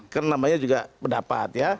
karena namanya juga pendapat ya